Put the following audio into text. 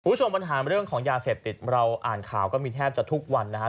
คุณผู้ชมปัญหาเรื่องของยาเสพติดเราอ่านข่าวก็มีแทบจะทุกวันนะครับ